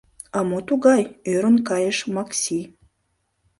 — А мо тугай? — ӧрын кайыш Макси.